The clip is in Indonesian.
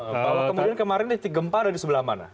kalau kemudian kemarin titik gempa ada di sebelah mana